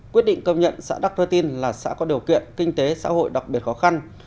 quyết định công nhận xã đắc rơ tin là xã có điều kiện kinh tế xã hội đặc biệt khó khăn